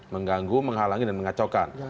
mengganggu menghalangi dan mengacaukan